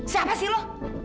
siapa sih lu